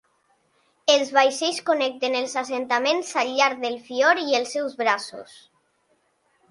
Els vaixells connecten els assentaments al llarg del fiord i els seus braços.